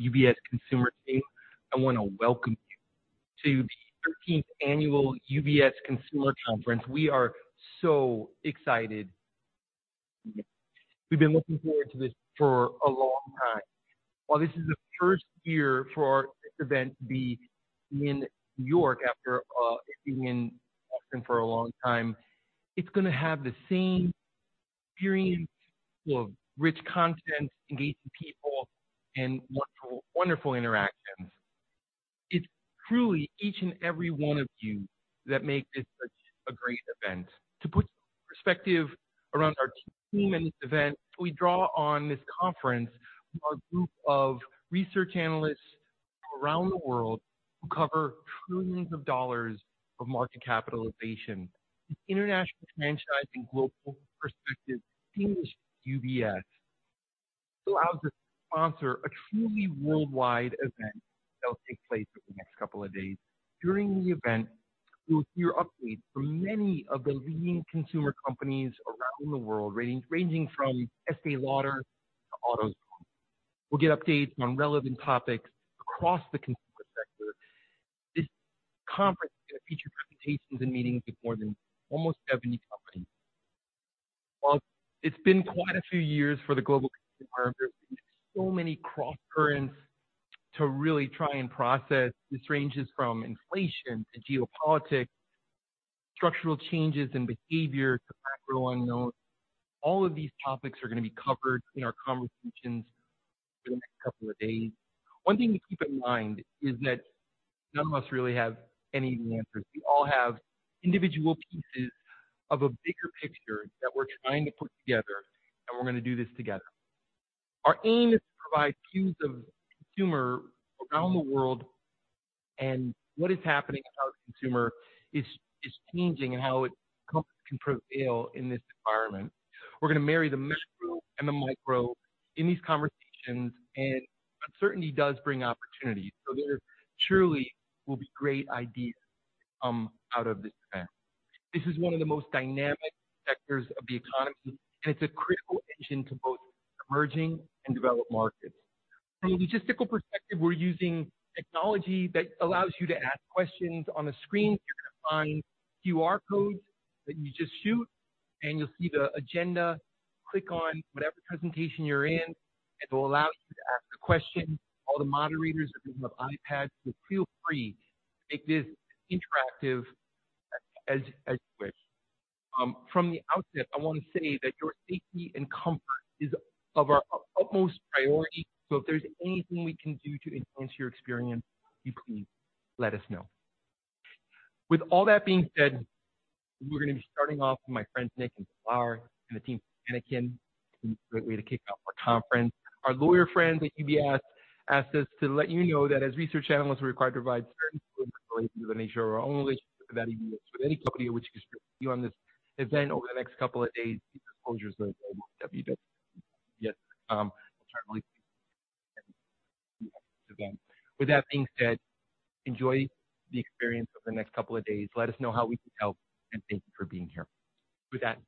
UBS consumer team, I wanna welcome you to the 13th Annual UBS Consumer Conference. We are so excited. We've been looking forward to this for a long time. While this is the first year for our event to be in New York after it being in Boston for a long time, it's gonna have the same experience of rich content, engaging people, and wonderful, wonderful interactions. It's truly each and every one of you that make this such a great event. To put perspective around our team and this event, we draw on this conference, our group of research analysts from around the world, who cover $ trillions of market capitalization. The international franchise and global perspective of UBS allows us to sponsor a truly worldwide event that will take place over the next couple of days. During the event, you'll hear updates from many of the leading consumer companies around the world, ranging from Estée Lauder to AutoZone. We'll get updates on relevant topics across the consumer sector. This conference is gonna feature presentations and meetings with more than almost 70 companies. While it's been quite a few years for the global environment, there's been so many crosscurrents to really try and process. This ranges from inflation to geopolitics, structural changes in behavior, to macro unknowns. All of these topics are gonna be covered in our conversations for the next couple of days. One thing to keep in mind is that none of us really have any answers. We all have individual pieces of a bigger picture that we're trying to put together, and we're gonna do this together. Our aim is to provide views of consumers around the world, and what is happening, and how the consumer is changing, and how companies can prevail in this environment. We're gonna marry the macro and the micro in these conversations, and uncertainty does bring opportunities, so there truly will be great ideas come out of this event. This is one of the most dynamic sectors of the economy, and it's a critical engine to both emerging and developed markets. From a logistical perspective, we're using technology that allows you to ask questions on the screen. You're gonna find QR codes that you just shoot, and you'll see the agenda. Click on whatever presentation you're in; it will allow you to ask a question. All the moderators have iPads, so feel free to make this interactive as you wish. From the outset, I want to say that your safety and comfort is of our utmost priority, so if there's anything we can do to enhance your experience, you please let us know. With all that being said, we're gonna be starting off with my friends, Nick and Flower, and the team from HEINEKEN. Great way to kick off our conference. Our lawyer friends at UBS asked us to let you know that as research analysts, we're required to provide certain information to ensure our own relationship with any business, with any company which you on this event over the next couple of days, disclosures of UBS. With that being said, enjoy the experience over the next couple of days. Let us know how we can help, and thank you for being here. With that,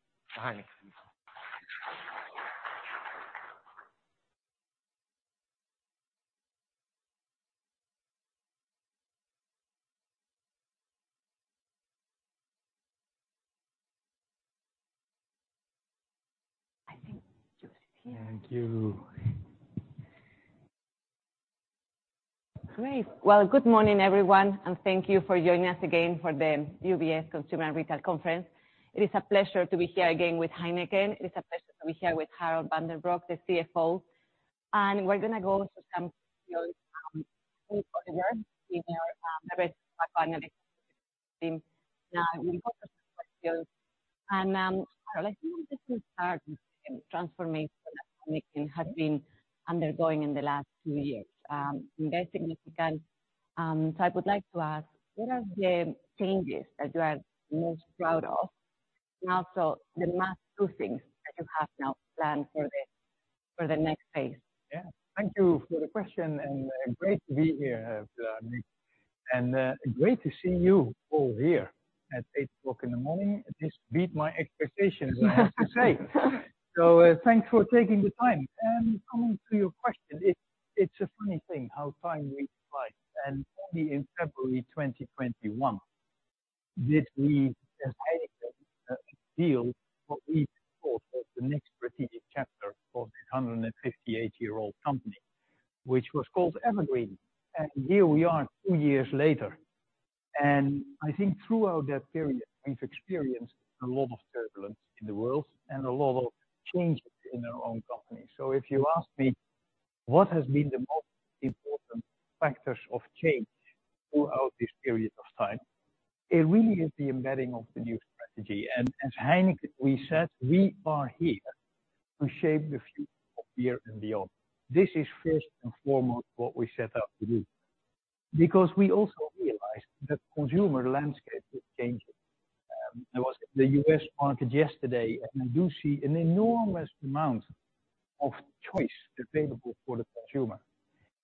HEINEKEN. I think Joseph is here. Thank you. Great! Well, good morning, everyone, and thank you for joining us again for the UBS Consumer and Retail Conference. It is a pleasure to be here again with Heineken. It is a pleasure to be here with Harold van den Broek, the CFO, and we're gonna go through some, and you're my panelist. Harold, I think we just start the transformation that Heineken has been undergoing in the last two years. Very significant. So I would like to ask, what are the changes that you are most proud of, and also the two most things that you have now planned for the, for the next phase? Yeah. Thank you for the question, and great to be here, Nick. And great to see you all here at 8:00 A.M. This beat my expectations, I have to say. So, thanks for taking the time. And coming to your question, it's a funny thing how time flies, and only in February 2021 did we sign a deal for what we thought was the next strategic chapter for this 158-year-old company, which was called EverGreen. And here we are, two years later, and I think throughout that period, we've experienced a lot of turbulence in the world and a lot of changes in our own company. So if you ask me, what has been the most important factors of change throughout this period of time? It really is the embedding of the new strategy. As Heineken, we said, we are here to shape the future of beer and beyond. This is first and foremost what we set out to do because we also realized the consumer landscape is changing. I was in the U.S. market yesterday, and you do see an enormous amount of choice available for the consumer.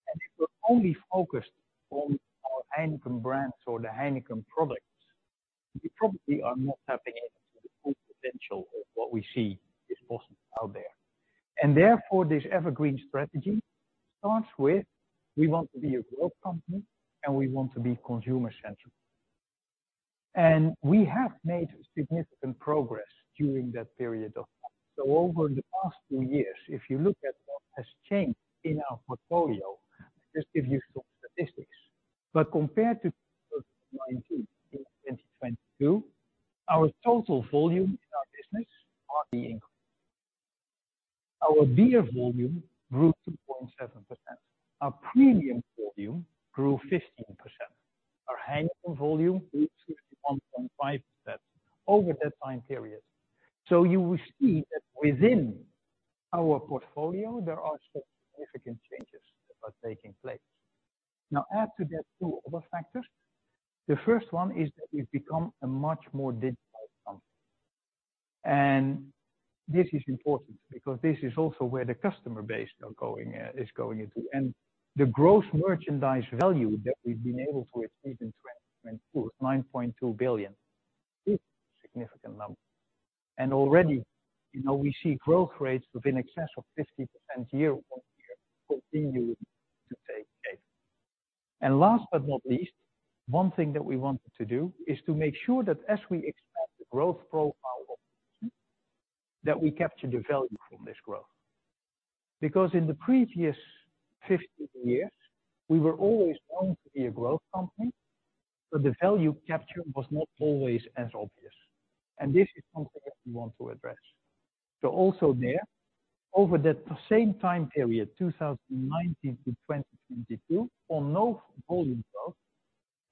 And if we're only focused on our Heineken brands or the Heineken products, we probably are not tapping into the full potential of what we see is possible out there. And therefore, this EverGreen strategy starts with, we want to be a growth company, and we want to be consumer-centric. And we have made significant progress during that period of time. So over the past two years, if you look at what has changed in our portfolio, I'll just give you some statistics. But compared to 2019, in 2022, our total volume in our business are increased. Our beer volume grew 2.7%. Our premium volume grew 15%. Our Heineken volume grew 1.5% over that time period. So you will see that within our portfolio, there are some significant changes that are taking place. Now, add to that two other factors. The first one is that we've become a much more digital company, and this is important because this is also where the customer base are going, is going into. And the growth merchandise value that we've been able to achieve in 2022, was 9.2 billion, is a significant number. And already, you know, we see growth rates in excess of 50% year-over-year, continuing to take shape. Last but not least, one thing that we wanted to do is to make sure that as we expand the growth profile, that we capture the value from this growth. Because in the previous 15 years, we were always known to be a growth company, but the value captured was not always as obvious, and this is something that we want to address. So also there, over that same time period, 2019 to 2022, on no volume growth,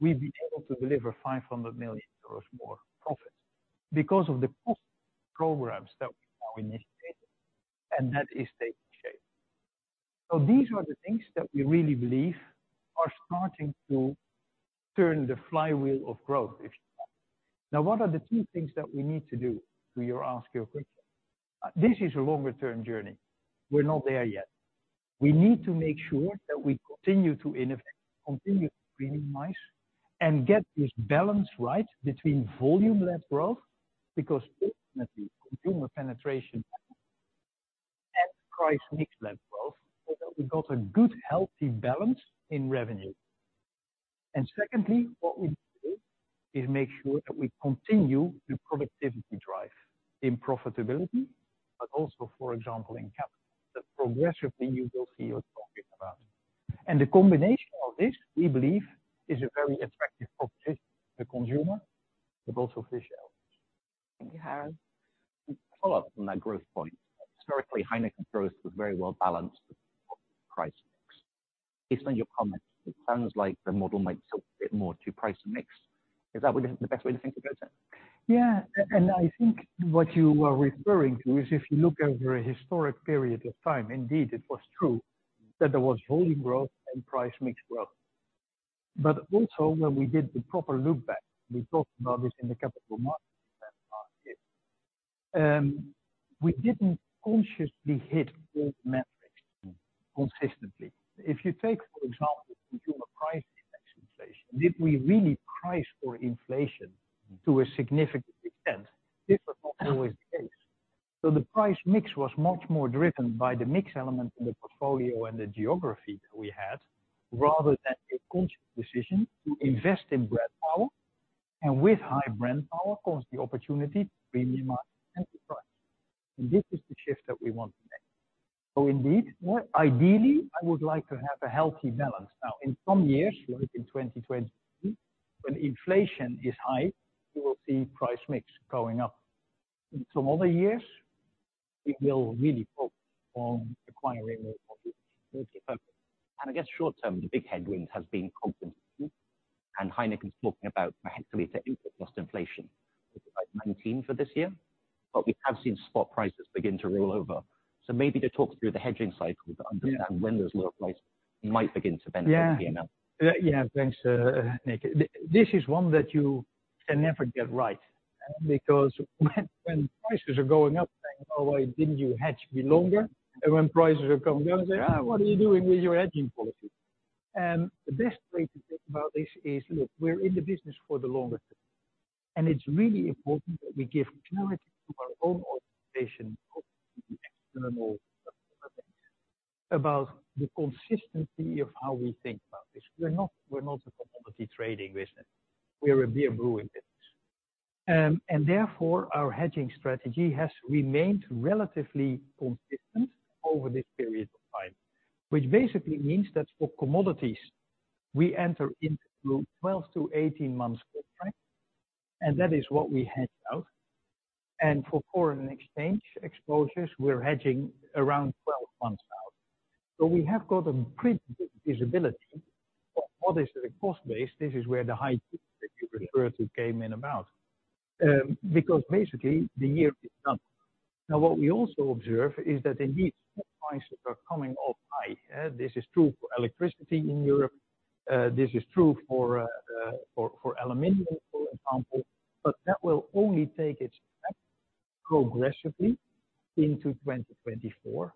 we've been able to deliver 500 million euros more profit because of the cost programs that we now initiated, and that is taking shape. So these are the things that we really believe are starting to turn the flywheel of growth, if you like. Now, what are the key things that we need to do, to your, ask your question? This is a longer-term journey. We're not there yet. We need to make sure that we continue to innovate, continue to premiumize, and get this balance right between volume-led growth, because ultimately, consumer penetration and price mix-led growth, so that we've got a good, healthy balance in revenue. Secondly, what we do is make sure that we continue the productivity drive in profitability, but also, for example, in capital, that progressively you will see us talking about. The combination of this, we believe, is a very attractive proposition to the consumer, but also for shareholders. Thank you, Harry. Follow up on that growth point. Historically, Heineken growth was very well balanced with price mix. Based on your comments, it sounds like the model might tip a bit more to price mix. Is that what is the best way to think about it? Yeah, and I think what you are referring to is if you look over a historic period of time, indeed, it was true that there was volume growth and price mix growth. But also, when we did the proper look back, we talked about this in the capital markets last year, we didn't consciously hit both metrics consistently. If you take, for example, the consumer price index inflation, did we really price for inflation to a significant extent? This was not always the case. So the price mix was much more driven by the mix element in the portfolio and the geography that we had, rather than a conscious decision to invest in brand power, and with high brand power, comes the opportunity to premiumize and to price. And this is the shift that we want to make. So indeed, ideally, I would like to have a healthy balance. Now, in some years, like in 2022, when inflation is high, you will see price mix going up. In some other years, we will really focus on acquiring more focus. I guess short term, the big headwind has been commodity, and Heineken is talking about potentially the input cost inflation, 19% for this year. But we have seen spot prices begin to roll over. Maybe just talk through the hedging cycle to understand- Yeah. when those low prices might begin to benefit the ML. Yeah. Yeah, thanks, Nick. This is one that you can never get right, because when prices are going up, saying, "Oh, why didn't you hedge me longer?" And when prices are coming down, say, "Ah, what are you doing with your hedging policy?" And the best way to think about this is, look, we're in the business for the longer term, and it's really important that we give clarity to our own organization, external about the consistency of how we think about this. We're not, we're not a commodity trading business. We're a beer brewing business. And therefore, our hedging strategy has remained relatively consistent over this period of time, which basically means that for commodities, we enter into 12-18 months contracts, and that is what we hedge out. And for foreign exchange exposures, we're hedging around 12 months out. So we have got a pretty good visibility. Obviously, the cost base, this is where the high that you referred to came in about, because basically, the year is done. Now, what we also observe is that indeed, prices are coming off high. This is true for electricity in Europe, this is true for aluminum, for example, but that will only take its progressively into 2024,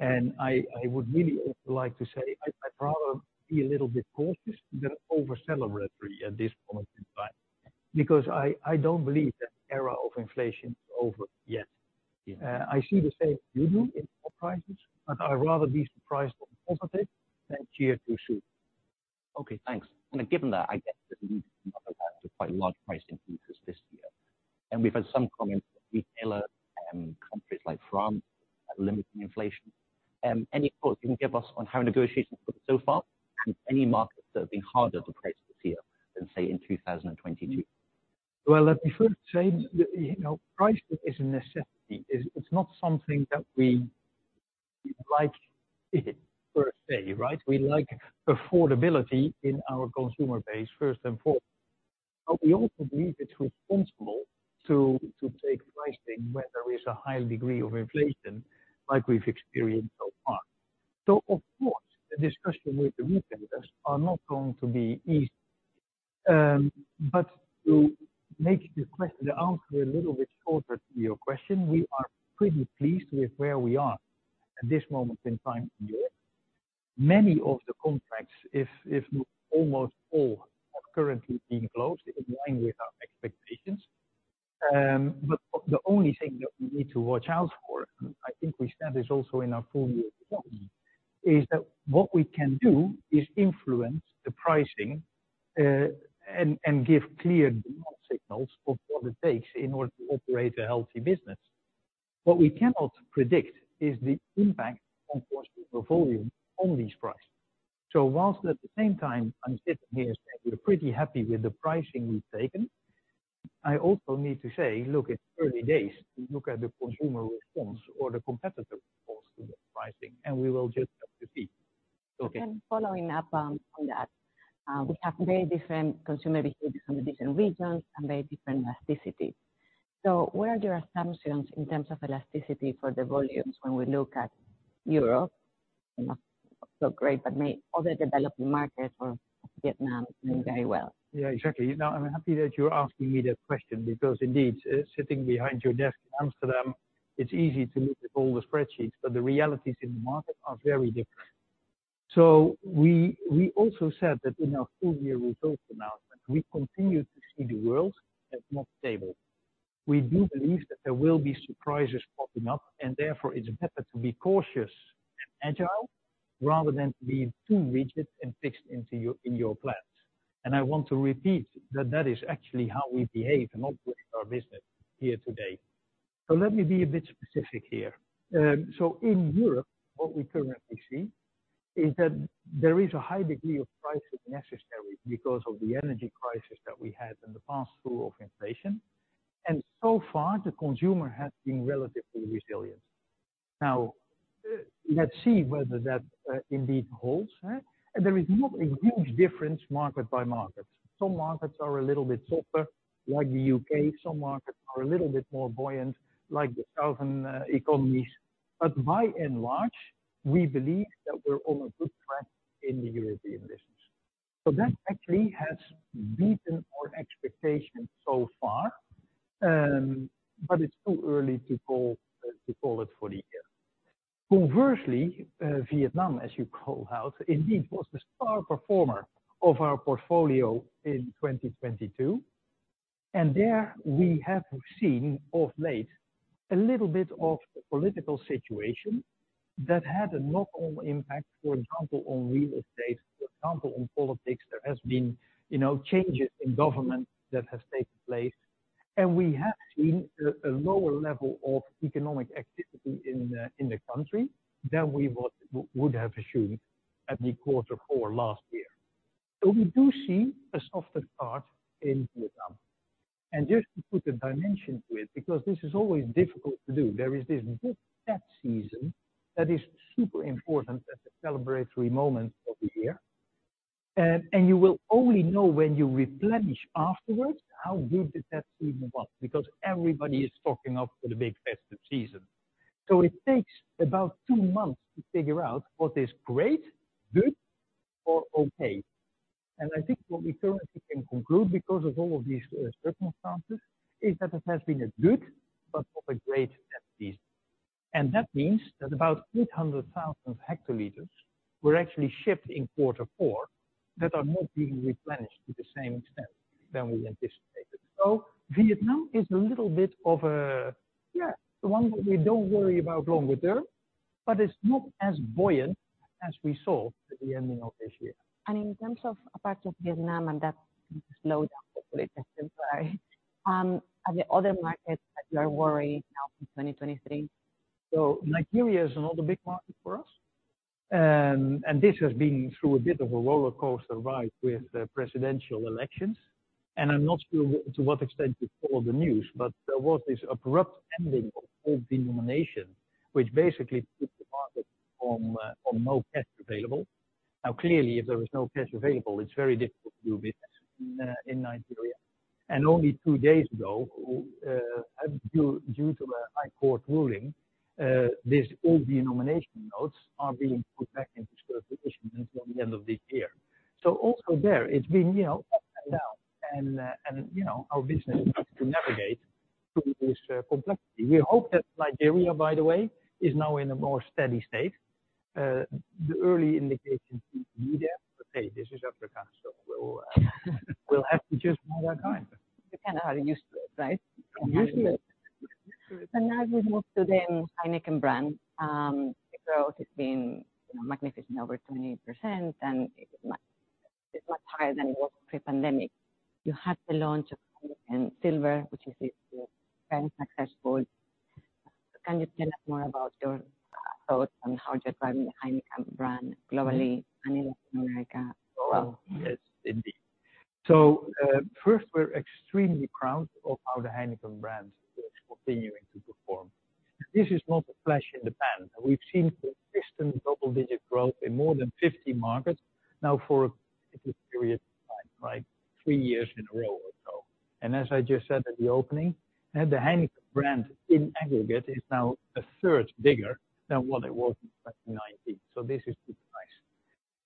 and I would really also like to say, I'd rather be a little bit cautious than over celebratory at this point in time. Because I don't believe that era of inflation is over yet. Yeah. I see the same as you do in oil prices, but I'd rather be surprised on positive than cheer too soon. Okay, thanks. Given that, I guess that leads to quite large price increases this year. We've had some comments from retailers in countries like France limiting inflation. Any thoughts you can give us on how negotiations went so far? Any markets that have been harder to price this year than, say, in 2022? Well, let me first say that, you know, price is a necessity. It's not something that we like it per se, right? We like affordability in our consumer base, first and foremost. But we also believe it's responsible to take pricing when there is a high degree of inflation, like we've experienced so far. So of course, the discussion with the retailers are not going to be easy. But to make the question, the answer a little bit shorter to your question, we are pretty pleased with where we are at this moment in time in Europe. Many of the contracts, if almost all, are currently being closed in line with our expectations. But the only thing that we need to watch out for, I think we said this also in our full year report, is that what we can do is influence the pricing, and, and give clear demand signals of what it takes in order to operate a healthy business. What we cannot predict is the impact on customer volume on these prices. So whilst at the same time, I'm sitting here saying we're pretty happy with the pricing we've taken, I also need to say, look, it's early days. We look at the consumer response or the competitor response to the pricing, and we will just have to see. Okay. And following up, on that, we have very different consumer behaviors from the different regions and very different elasticities. So what are your assumptions in terms of elasticity for the volumes when we look at Europe? Not so great, but maybe other developing markets or Vietnam doing very well. Yeah, exactly. Now, I'm happy that you're asking me that question, because indeed, sitting behind your desk in Amsterdam, it's easy to look at all the spreadsheets, but the realities in the market are very different. So we, we also said that in our full year results announcement, we continue to see the world as not stable. We do believe that there will be surprises popping up, and therefore it's better to be cautious and agile, rather than being too rigid and fixed into your, in your plans. And I want to repeat that that is actually how we behave and operate our business here today. So let me be a bit specific here. So in Europe, what we currently see is that there is a high degree of pricing necessary because of the energy crisis that we had and the pass-through of inflation. So far, the consumer has been relatively resilient. Now, let's see whether that indeed holds, huh? There is not a huge difference market by market. Some markets are a little bit softer, like the UK. Some markets are a little bit more buoyant, like the southern economies. But by and large, we believe that we're on a good track in the European business. So that actually has beaten our expectations so far, but it's too early to call it for the year. Conversely, Vietnam, as you call out, indeed, was the star performer of our portfolio in 2022, and there we have seen of late a little bit of a political situation that had a knock-on impact, for example, on real estate. For example, in politics, there has been, you know, changes in government that has taken place. And we have seen a lower level of economic activity in the country than we would have assumed at the quarter four last year. So we do see a softer part in Vietnam. And just to put a dimension to it, because this is always difficult to do, there is this big Tet season that is super important as a celebratory moment of the year. And you will only know when you replenish afterwards, how good the Tet season was, because everybody is stocking up for the big festive season. So it takes about two months to figure out what is great, good, or okay. And I think what we currently can conclude, because of all of these circumstances, is that it has been a good, but not a great Tet season. And that means that about 800,000 hectoliters were actually shipped in quarter four that are not being replenished to the same extent than we anticipated. So Vietnam is a little bit of a. Yeah, the one we don't worry about long term, but it's not as buoyant as we saw at the ending of this year. In terms of parts of Vietnam and that slowdown, hopefully that's sorry. Are there other markets that you are worried now in 2023? So Nigeria is another big market for us. And this has been through a bit of a rollercoaster ride with the presidential elections, and I'm not sure to what extent you follow the news, but there was this abrupt ending of old denomination, which basically put the market on, on no cash available. Now, clearly, if there is no cash available, it's very difficult to do business in, in Nigeria. And only two days ago, due to a high court ruling, this old denomination notes are being put back into circulation until the end of this year. So also there, it's been, you know, up and down, and, and, you know, our business has to navigate through this, complexity. We hope that Nigeria, by the way, is now in a more steady state. The early indications be there, but, hey, this is Africa, so we'll, we'll have to just hold our time. We kind of are used to it, right? We're used to it. Now we move to the Heineken brand. The growth has been, you know, magnificent, over 28%, and it's much, it's much higher than pre-pandemic. You had the launch of Heineken Silver, which is very successful. Can you tell us more about your thoughts on how you're driving the Heineken brand globally and in Latin America? Well, yes, indeed. So, first, we're extremely proud of how the Heineken brand is continuing to perform. This is not a flash in the pan. We've seen consistent double-digit growth in more than 50 markets now for a period of time, like 3 years in a row or so. And as I just said at the opening, the Heineken brand, in aggregate, is now a third bigger than what it was in 2019. So this is pretty nice.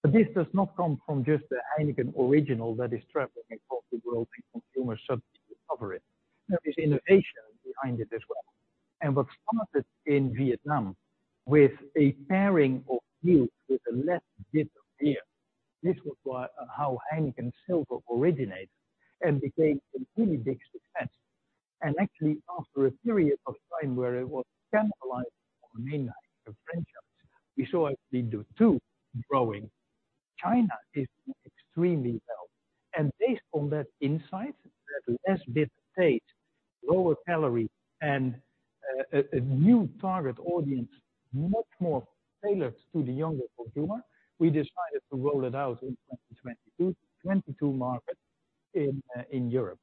But this does not come from just the Heineken original that is traveling across the globe, and consumers suddenly discover it. There is innovation behind it as well. And what started in Vietnam with a pairing of youth with a less bitter beer, this was how Heineken Silver originated and became a really big success. Actually, after a period of time where it was cannibalized on the main Heineken franchise, we saw actually the two growing. China is doing extremely well, and based on that insight, that less bitter taste, lower calorie, and a new target audience, much more tailored to the younger consumer, we decided to roll it out in 2022, 22 markets in Europe.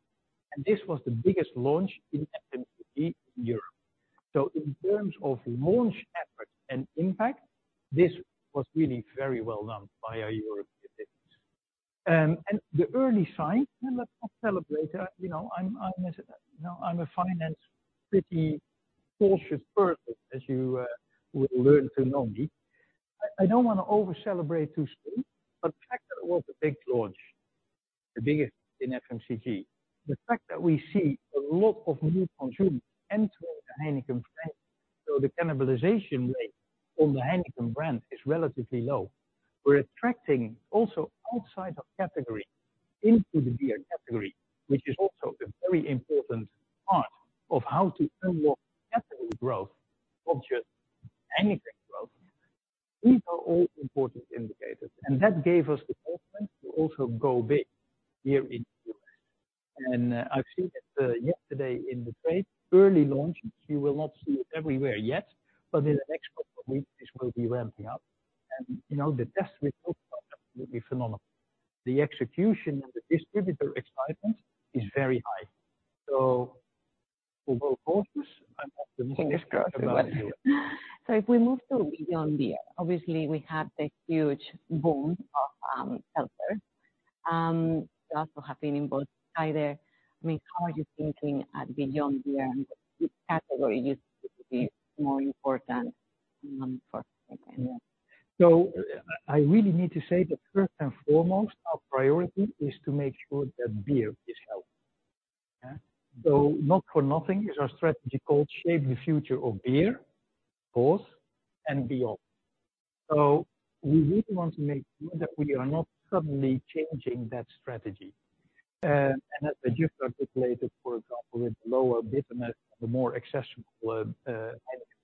This was the biggest launch in FMCG in Europe. In terms of launch effort and impact, this was really very well done by our European teams. And the early signs, and let's not celebrate, you know, I'm a finance, pretty cautious person, as you will learn to know me. I don't wanna over celebrate too soon, but the fact that it was a big launch, the biggest in FMCG, the fact that we see a lot of new consumers entering the Heineken brand, so the cannibalization rate on the Heineken brand is relatively low. We're attracting also outside of category into the beer category, which is also a very important part of how to unlock category growth, not just Heineken growth. These are all important indicators, and that gave us the confidence to also go big here in the U.S. And, I've seen it yesterday in the trade. Early launches, you will not see it everywhere yet, but in the next couple of weeks, this will be ramping up. And, you know, the test results are absolutely phenomenal. The execution and the distributor excitement is very high. So we're both cautious and optimistic- So if we move to beyond beer, obviously we have the huge boom of seltzers that also have been. I mean, how are you thinking at beyond beer, and which category you think would be more important for Heineken? So I really need to say that first and foremost, our priority is to make sure that beer is healthy. So not for nothing is our strategy called Shape the Future of Beer, both and beyond. So we really want to make sure that we are not suddenly changing that strategy. And as I just articulated, for example, with lower bitterness, the more accessible, Heineken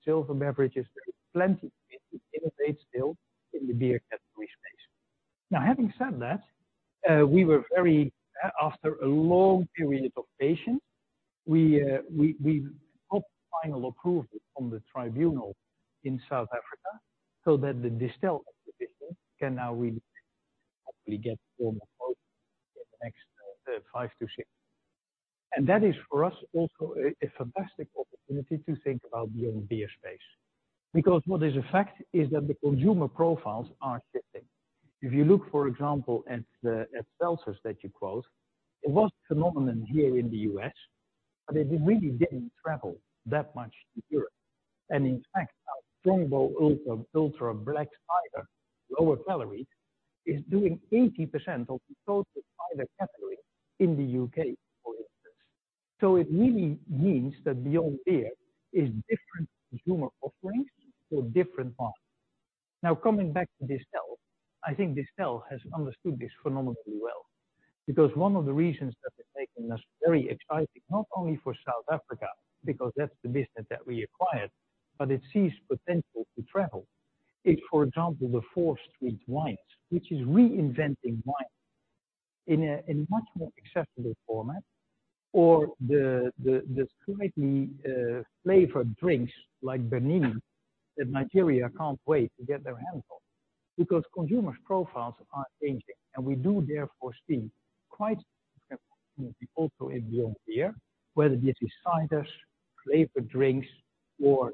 Silver beverages, there is plenty to innovate still in the beer category space. Now, having said that, we were very. After a long period of patience, we got final approval from the tribunal in South Africa, so that the Distell acquisition can now really hopefully get more in the next 5-6. That is for us also a fantastic opportunity to think about beyond beer space, because what is a fact is that the consumer profiles are shifting. If you look, for example, at the seltzers that you quote, it was a phenomenon here in the U.S., but it really didn't travel that much to Europe. In fact, our Strongbow Ultra, ultra black cider, lower calories, is doing 80% of the total cider category in the U.K., for instance. So it really means that beyond beer is different consumer offerings for different parts. Now, coming back to Distell, I think Distell has understood this phenomenally well, because one of the reasons that it's making us very excited, not only for South Africa, because that's the business that we acquired, but it sees potential to travel, is, for example, the 4th Street wines, which is reinventing wine in a much more accessible format, or the slightly flavored drinks like Bernini that Nigeria can't wait to get their hands on. Because consumers' profiles are changing, and we do therefore see quite also in beyond beer, whether it is ciders, flavored drinks or,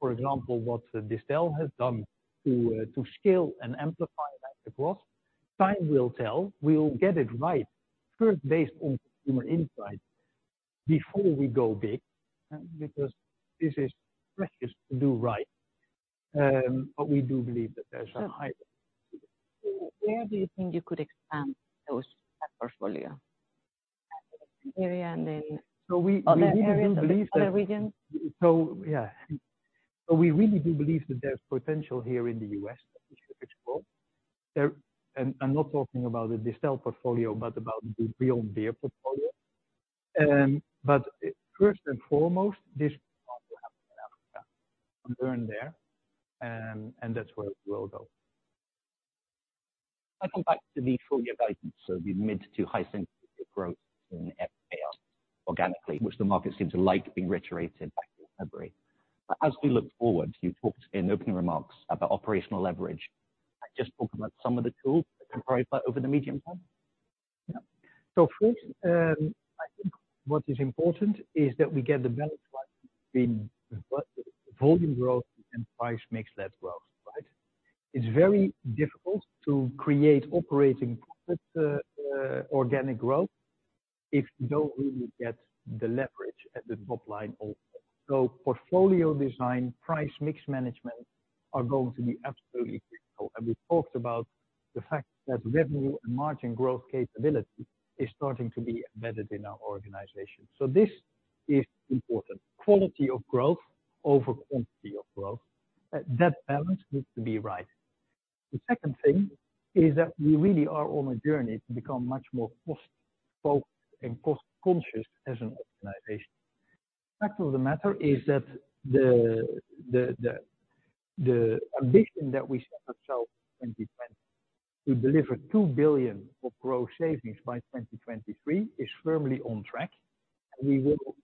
for example, what Distell has done to scale and amplify that growth. Time will tell. We'll get it right, first, based on consumer insight before we go big, because this is precious to do right, but we do believe that there's a high. Where do you think you could expand those portfolio areas and in- So we really do believe that- Other regions? So yeah. So we really do believe that there's potential here in the U.S., which, which grow. And I'm not talking about the Distell portfolio, but about the Beyond Beer portfolio. But first and foremost, this will happen in Africa, and we're in there, and that's where it will go. I come back to the full-year guidance, so the mid- to high-single growth in FPL organically, which the market seems to like being reiterated back in February. But as we look forward, you talked in opening remarks about operational leverage. Just talk about some of the tools that can provide that over the medium term. Yeah. So first, I think what is important is that we get the balance right between volume growth and price mix led growth, right? It's very difficult to create operating organic growth if you don't really get the leverage at the top line also. So portfolio design, price, mix management, are going to be absolutely critical. And we talked about the fact that revenue and margin growth capability is starting to be embedded in our organization. So this is important. Quality of growth over quantity of growth, that balance needs to be right. The second thing is that we really are on a journey to become much more cost focused and cost conscious as an organization. Fact of the matter is that the ambition that we set ourselves in 2020, to deliver 2 billion of growth savings by 2023, is firmly on track, and we will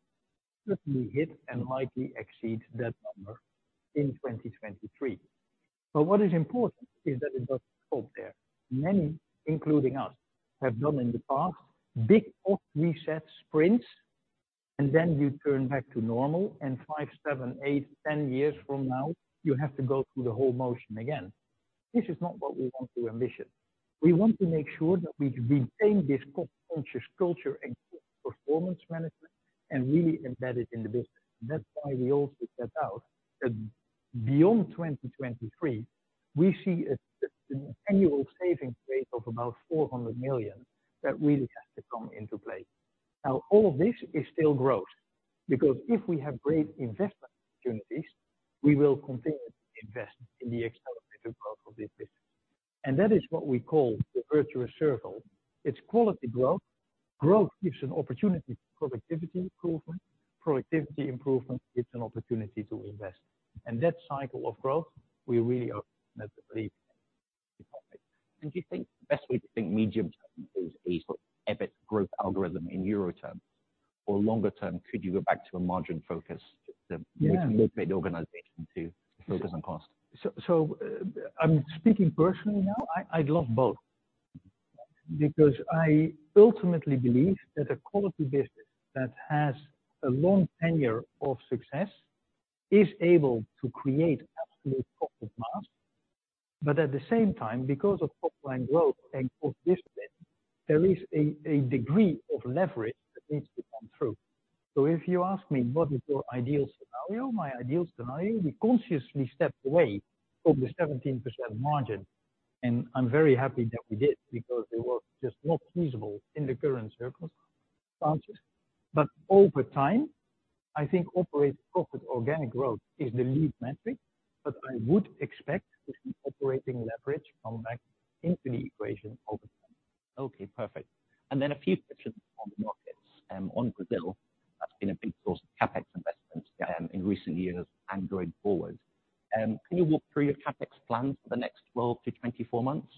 certainly hit and likely exceed that number in 2023. But what is important is that it doesn't stop there. Many, including us, have done in the past, big off reset sprints, and then you turn back to normal, and 5, 7, 8, 10 years from now, you have to go through the whole motion again. This is not what we want to ambition. We want to make sure that we retain this cost-conscious culture and performance management, and really embed it in the business. That's why we also set out that beyond 2023, we see an annual savings rate of about 400 million that really has to come into play. Now, all of this is still growth, because if we have great investment opportunities, we will continue to invest in the accelerated growth of this business. And that is what we call the virtuous circle. It's quality growth. Growth gives an opportunity for productivity improvement. Productivity improvement gives an opportunity to invest. And that cycle of growth, we really are Do you think the best way to think medium term is a sort of EBIT growth algorithm in euro terms, or longer term, could you go back to a margin focus, the- Yeah. Mid organization to focus on cost? So I'm speaking personally now, I'd love both, because I ultimately believe that a quality business that has a long tenure of success is able to create absolute profit mass. But at the same time, because of top line growth and cost discipline, there is a degree of leverage that needs to come through. So if you ask me, "What is your ideal scenario?" My ideal scenario, we consciously stepped away from the 17% margin, and I'm very happy that we did, because it was just not feasible in the current circumstances. But over time, I think operating profit organic growth is the lead metric, but I would expect to see operating leverage come back into the equation over time. Okay, perfect. A few questions on the markets. On Brazil, that's been a big source of CapEx investment, in recent years and going forward. Can you walk through your CapEx plans for the next 12-24 months?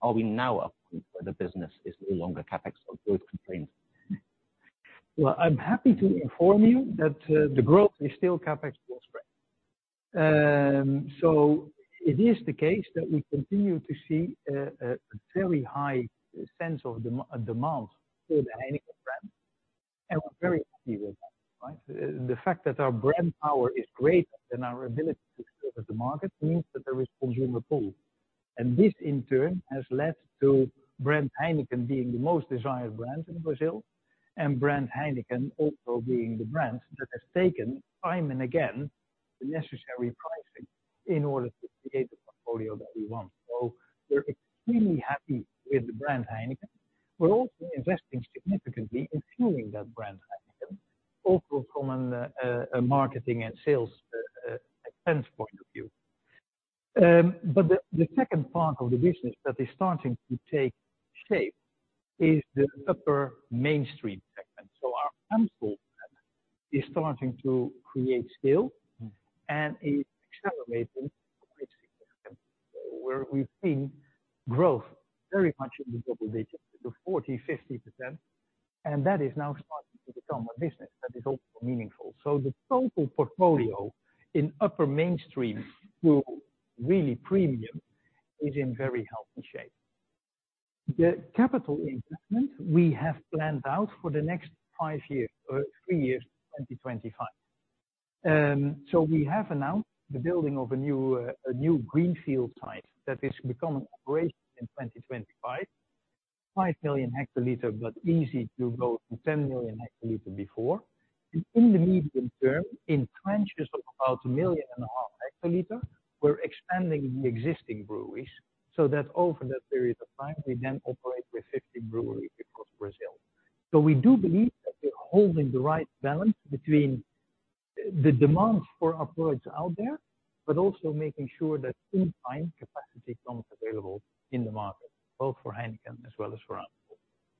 Are we now at a point where the business is no longer CapEx or growth constrained? Well, I'm happy to inform you that the growth is still CapEx well spread. So it is the case that we continue to see a fairly high sense of demand for the Heineken brand, and we're very happy with that, right? The fact that our brand power is greater than our ability to serve the market means that there is consumer pull. And this, in turn, has led to brand Heineken being the most desired brand in Brazil, and brand Heineken also being the brand that has taken time and again, the necessary pricing in order to create the portfolio that we want. So we're extremely happy with the brand Heineken. We're also investing significantly in fueling that brand Heineken, also from a marketing and sales expense point of view. But the second part of the business that is starting to take shape is the upper mainstream segment. So our portfolio is starting to create scale- Mm. and is accelerating quite significantly, where we've seen growth very much in the double digits, the 40%, 50%, and that is now starting to become a business that is also meaningful. So the total portfolio in upper mainstream to really premium is in very healthy shape. The capital investment we have planned out for the next five years, three years, 2025. So we have announced the building of a new, a new greenfield site that is becoming operational in 2025. 5 million hectoliter, but easy to go to 10 million hectoliter before. And in the medium term, in tranches of about 1.5 million hectoliter, we're expanding the existing breweries, so that over that period of time, we then operate with 50 breweries across Brazil. So we do believe that we're holding the right balance between the demand for our products out there, but also making sure that in time, capacity becomes available in the market, both for Heineken as well as for AmBev.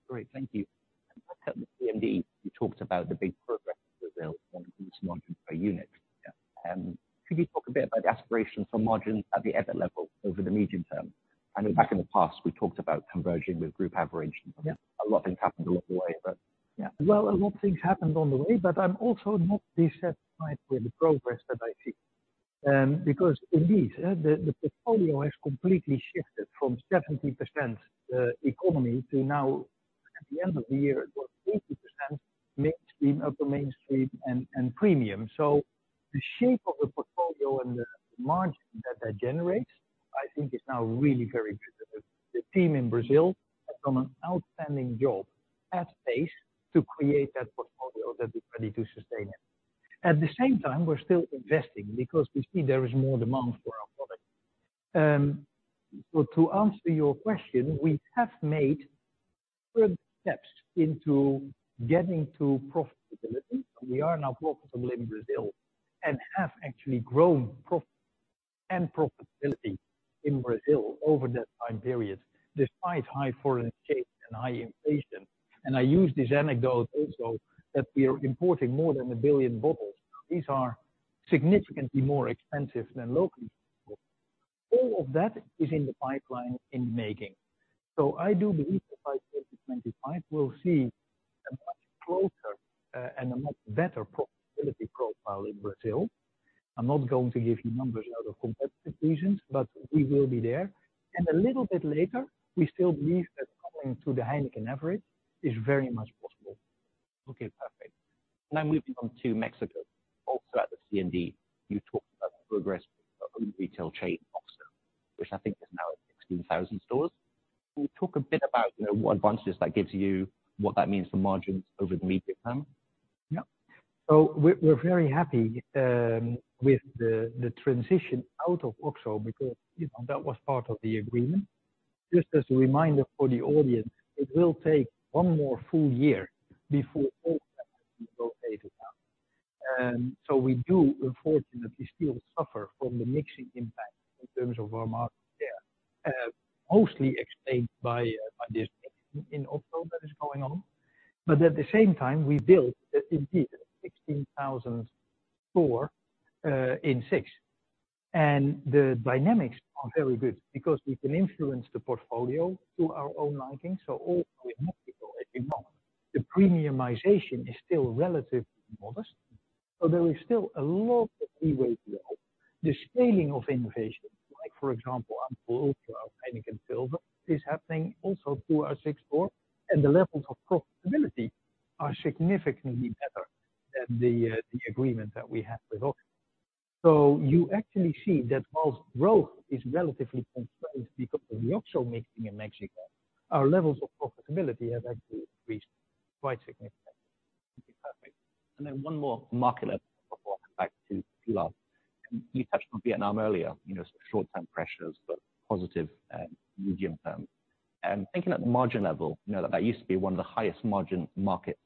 Great, thank you. At the CMD, you talked about the big progress in Brazil on margin per unit. Yeah. Could you talk a bit about the aspiration for margin at the EBIT level over the medium term? I know back in the past, we talked about converging with group average. Yeah. A lot of things happened along the way, but- Yeah. Well, a lot of things happened on the way, but I'm also not dissatisfied with the progress that I see. Because indeed, the portfolio has completely shifted from 70% economy to now, at the end of the year, about 80% mainstream, upper mainstream, and premium. So the shape of the portfolio and the margin that that generates, I think, is now really very good. The team in Brazil have done an outstanding job at pace to create that portfolio that is ready to sustain it. At the same time, we're still investing because we see there is more demand for our products. So to answer your question, we have made firm steps into getting to profitability. We are now profitable in Brazil and have actually grown profit and profitability in Brazil over that time period, despite high foreign exchange and high inflation. I use this anecdote also, that we are importing more than 1 billion bottles. These are significantly more expensive than local. All of that is in the pipeline in the making. I do believe that by 2025, we'll see a much closer and a much better profitability profile in Brazil. I'm not going to give you numbers out of competitive reasons, but we will be there. And a little bit later, we still believe that coming to the Heineken average is very much possible. Okay, perfect. Now moving on to Mexico. Also, at the CMD, you talked about progress of the retail chain, OXXO, which I think is now at 16,000 stores. Can you talk a bit about, you know, what advantages that gives you, what that means for margins over the medium term? Yeah. So we're very happy with the transition out of OXXO because, you know, that was part of the agreement. Just as a reminder for the audience, it will take one more full year before all So we do unfortunately still suffer from the mixing impact in terms of our market share, mostly explained by this in OXXO that is going on. But at the same time, we built that indeed, 16,000 store in six. And the dynamics are very good because we can influence the portfolio to our own liking, so all in Mexico, as you know, the premiumization is still relatively modest, so there is still a lot of leeway to go. The scaling of innovation, like for example, Amparo, our Heineken Silver, is happening also through our six store, and the levels of profitability are significantly better than the agreement that we had with OXXO. So you actually see that whilst growth is relatively constrained because of the OXXO mixing in Mexico, our levels of profitability have actually increased quite significantly. Perfect. And then one more market before I come back to Pilar. You touched on Vietnam earlier, you know, some short-term pressures, but positive, medium term. Thinking at the margin level, you know, that that used to be one of the highest margin markets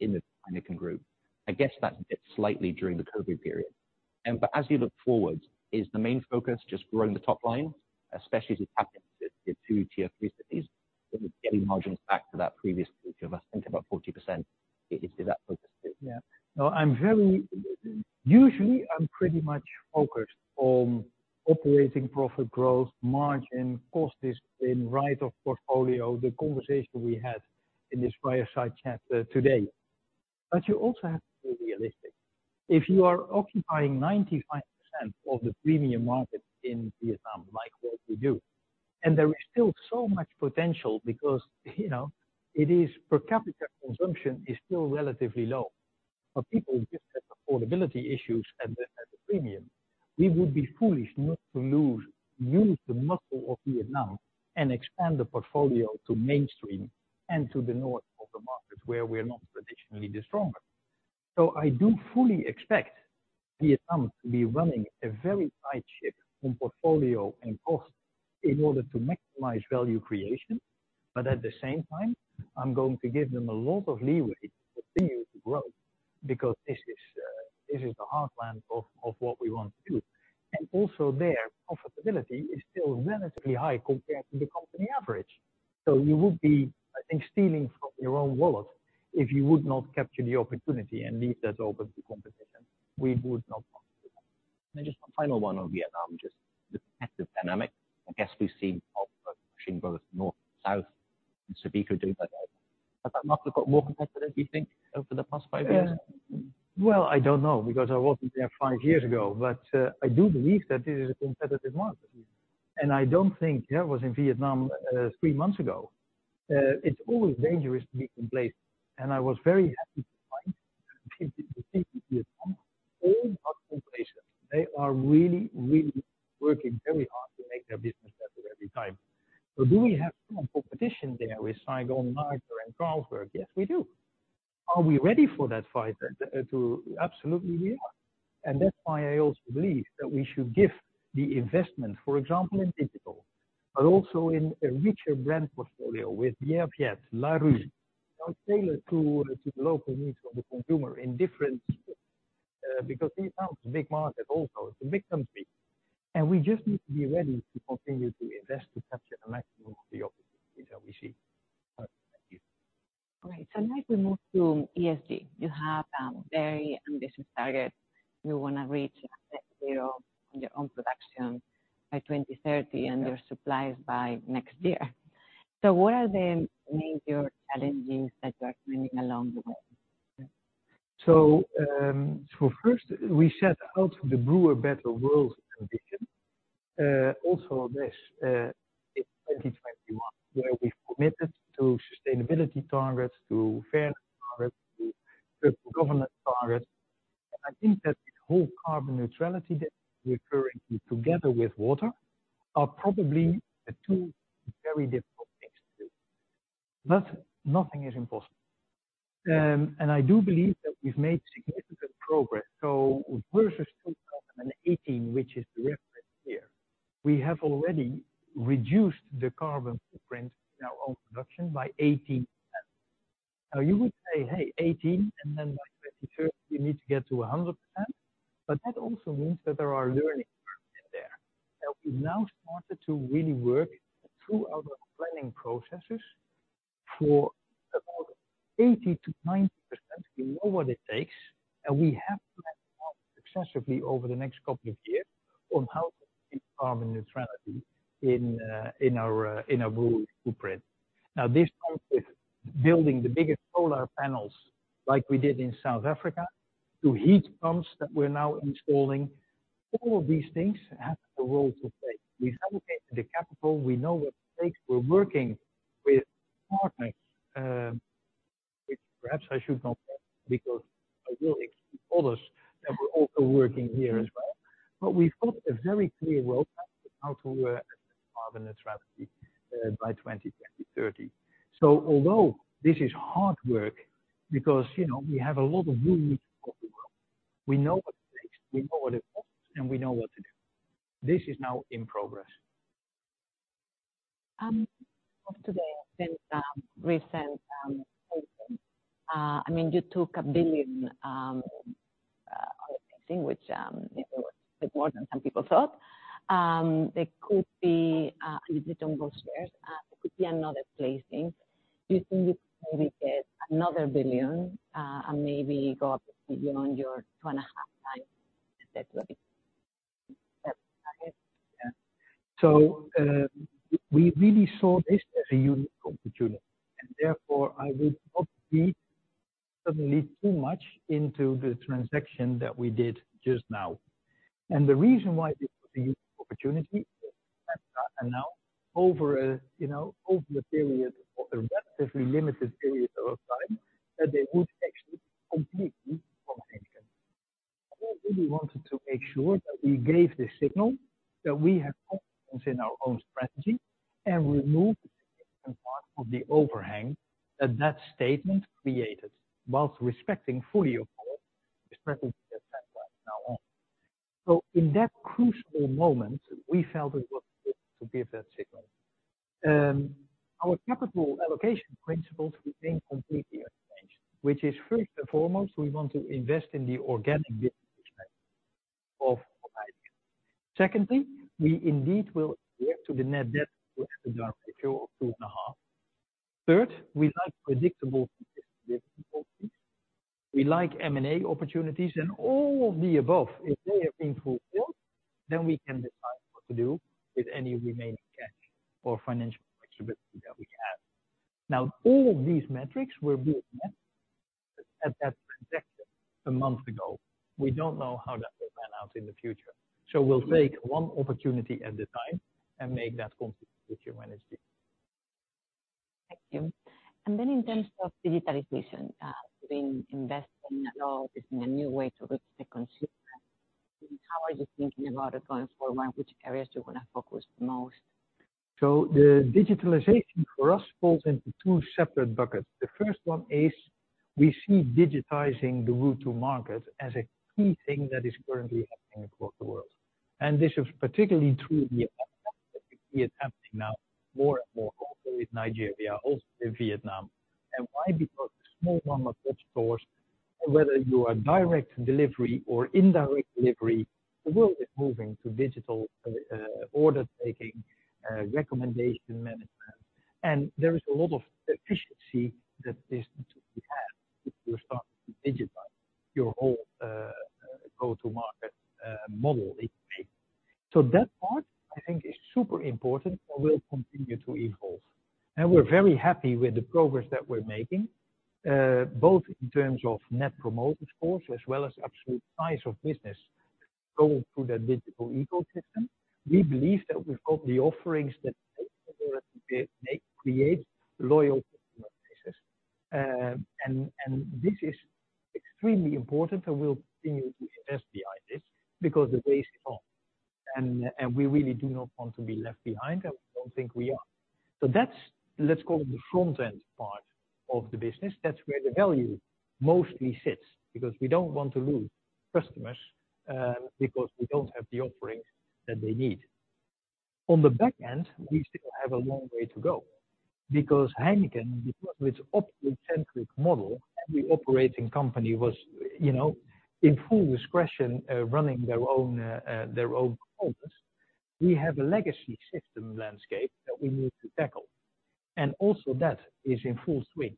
in the Heineken group. I guess that dipped slightly during the COVID period. But as you look forward, is the main focus just growing the top line, especially with the two tier three cities, getting margins back to that previous, which I think about 40%? Is, is that focused it? Yeah. No, I'm very. Usually, I'm pretty much focused on operating profit growth, margin, costs, and right of portfolio, the conversation we had in this fireside chat, today. But you also have to be realistic. If you are occupying 95% of the premium market in Vietnam, like what we do, and there is still so much potential because, you know, per capita consumption is still relatively low, but people just have affordability issues at the premium. We would be foolish not to use the muscle of Vietnam and expand the portfolio to mainstream and to the north of the markets where we're not traditionally the stronger. So I do fully expect Vietnam to be running a very tight ship on portfolio and cost in order to maximize value creation. But at the same time, I'm going to give them a lot of leeway to continue to grow, because this is, this is the heartland of what we want to do. And also, their profitability is still relatively high compared to the company average. So you would be, I think, stealing from your own wallet if you would not capture the opportunity and leave that open to competition. We would not want to do that. Just one final one on Vietnam, just the competitive dynamic. I guess we've seen both machine growth, north, south, and SABECO doing that. Has that market got more competitive, do you think, over the past five years? Yeah. Well, I don't know, because I wasn't there five years ago, but I do believe that it is a competitive market. And I don't think. I was in Vietnam three months ago. It's always dangerous to be complacent, and I was very happy to find all our operations. They are really, really working very hard to make their business better every time. So do we have strong competition there with SABECO and Carlsberg? Yes, we do. Are we ready for that fight? Absolutely, we are. And that's why I also believe that we should give the investment, for example, in digital, but also in a richer brand portfolio with Bia Viet, Larue, now tailored to the local needs of the consumer in different, because Vietnam is a big market also. It's a big country. We just need to be ready to continue to invest to capture the maximum of the opportunities that we see. Thank you. All right, now we move to ESG. You have very ambitious targets. You wanna reach net zero on your own production by 2030, and your suppliers by next year. What are the major challenges that you are finding along the way? So, so first, we set out the Brew a Better World vision. Also this, in 2021, where we committed to sustainability targets, to fair targets, to good governance targets. I think that the whole carbon neutrality that we are currently, together with water, are probably the two very difficult things to do. But nothing is impossible. And I do believe that we've made significant progress. So versus 2018, which is the reference here, we have already reduced the carbon footprint in our own production by 18%. Now, you would say, "Hey, eighteen, and then by 2030, we need to get to a 100%." But that also means that there are learning curves in there. Now, we've started to really work through our planning processes. For about 80%-90%, we know what it takes, and we have to work successively over the next couple of years on how to achieve carbon neutrality in our brewing footprint. Now, this comes with building the biggest solar panels, like we did in South Africa, to heat pumps that we're now installing. All of these things have a role to play. We've allocated the capital, we know what it takes. We're working with partners, which perhaps I should not name, because I will exclude others, that we're also working here as well. But we've got a very clear roadmap of how to carbon neutrality by 2030. Although this is hard work, because, you know, we have a lot of moving of the world, we know what it takes, we know what it costs, and we know what to do. This is now in progress. Today, in recent, I mean, you took 1 billion on the placing, which it was a bit more than some people thought. There could be, you don't go shares, there could be another placing. Do you think you could maybe get another 1 billion, and maybe go up beyond your 2.5x EBITDA? So, we really saw this as a unique opportunity, and therefore, I would not read suddenly too much into the transaction that we did just now. And the reason why this was a unique opportunity, and now over a, you know, over a period, or a relatively limited period of time, that they would actually completely combination. We really wanted to make sure that we gave the signal that we have confidence in our own strategy, and remove significant part of the overhang that that statement created, whilst respecting fully of all, respecting the center now on. So in that crucial moment, we felt it was important to give that signal. Our capital allocation principles remain completely unchanged, which is, first and foremost, we want to invest in the organic business of Heineken. Secondly, we indeed will get to the net debt to EBITDA ratio of 2.5. Third, we like predictable business. We like M&A opportunities and all of the above, if they have been fulfilled, then we can decide what to do with any remaining cash or financial flexibility that we have. Now, all of these metrics were being met at that projection a month ago. We don't know how that will pan out in the future. So we'll take one opportunity at a time and make that complete with your energy. Thank you. Then in terms of digitalization, you've been investing a lot in a new way to reach the consumer. How are you thinking about it going forward, and which areas you're gonna focus the most? So the digitalization for us falls into two separate buckets. The first one is, we see digitizing the go-to-market as a key thing that is currently happening across the world. And this is particularly true of the app that we are tapping now, more and more, also with Nigeria, also in Vietnam. And why? Because small number of stores, whether you are direct delivery or indirect delivery, the world is moving to digital, order taking, recommendation management. And there is a lot of efficiency that this can have if you start to digitize your whole, go-to-market, model. So that part, I think, is super important and will continue to evolve. And we're very happy with the progress that we're making, both in terms of net promoter scores, as well as absolute size of business. go through the digital ecosystem, we believe that we've got the offerings that make, create loyal customer bases. And this is extremely important, and we'll continue to invest behind this because the race is on, and we really do not want to be left behind, and we don't think we are. So that's, let's call it, the front end part of the business. That's where the value mostly sits, because we don't want to lose customers because we don't have the offerings that they need. On the back end, we still have a long way to go because Heineken, because of its operating-centric model, every operating company was, you know, in full discretion, running their own office. We have a legacy system landscape that we need to tackle, and also that is in full swing.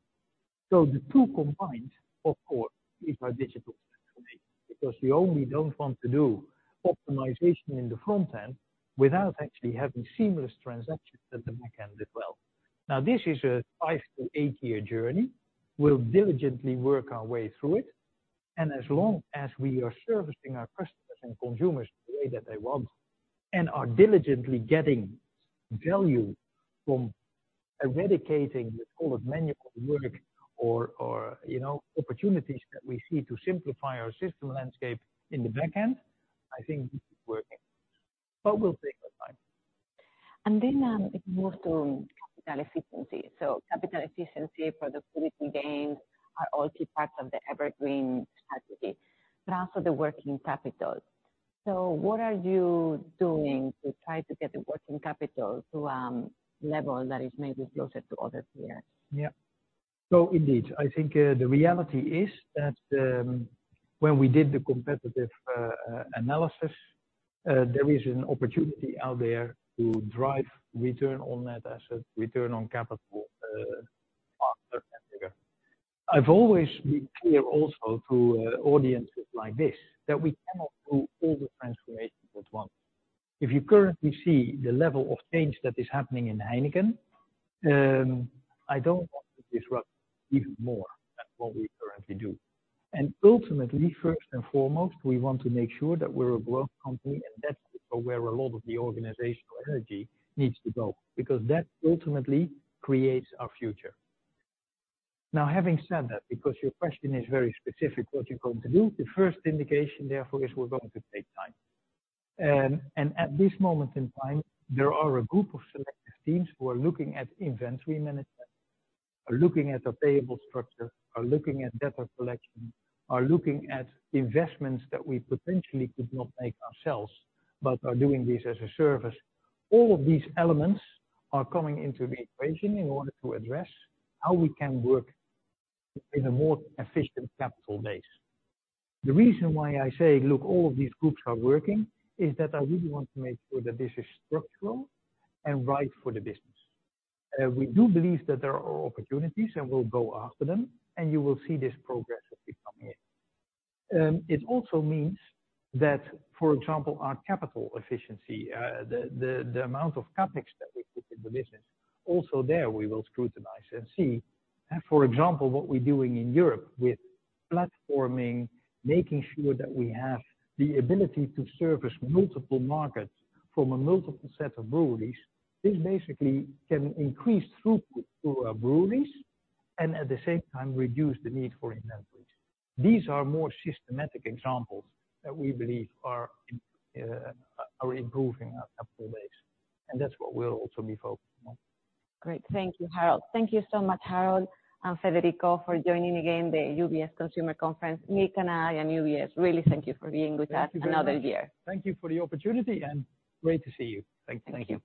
So the two combined, of course, is our digital transformation, because we only don't want to do optimization in the front end without actually having seamless transactions at the back end as well. Now, this is a 5-8-year journey. We'll diligently work our way through it, and as long as we are servicing our customers and consumers the way that they want, and are diligently getting value from eradicating, let's call it, manual work or, you know, opportunities that we see to simplify our system landscape in the back end, I think this is working. But we'll take our time. Then, if we move to capital efficiency. Capital efficiency, productivity gains are all key parts of the EverGreen strategy, but also the working capital. What are you doing to try to get the working capital to a level that is maybe closer to other peers? Yeah. So indeed, I think, the reality is that, when we did the competitive analysis, there is an opportunity out there to drive return on that asset, return on capital, faster and bigger. I've always been clear also to audiences like this, that we cannot do all the transformations at once. If you currently see the level of change that is happening in Heineken, I don't want to disrupt even more than what we currently do. And ultimately, first and foremost, we want to make sure that we're a growth company, and that's where a lot of the organizational energy needs to go, because that ultimately creates our future. Now, having said that, because your question is very specific, what you're going to do, the first indication, therefore, is we're going to take time. At this moment in time, there are a group of selective teams who are looking at inventory management, are looking at the payable structure, are looking at data collection, are looking at investments that we potentially could not make ourselves, but are doing this as a service. All of these elements are coming into the equation in order to address how we can work in a more efficient capital base. The reason why I say, look, all of these groups are working, is that I really want to make sure that this is structural and right for the business. We do believe that there are opportunities, and we'll go after them, and you will see this progress as we come in. It also means that, for example, our capital efficiency, the amount of CapEx that we put in the business, also there we will scrutinize and see. For example, what we're doing in Europe with platforming, making sure that we have the ability to service multiple markets from a multiple set of breweries, this basically can increase throughput to our breweries and at the same time reduce the need for inventories. These are more systematic examples that we believe are improving our capital base, and that's what we'll also be focusing on. Great. Thank you, Harold. Thank you so much, Harold and Federico, for joining again the UBS Consumer Conference, Nick and I and UBS. Really, thank you for being with us another year. Thank you for the opportunity, and great to see you. Thank you. Thank you.